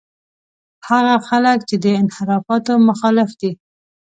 هغه خلک چې د انحرافاتو مخالف دي.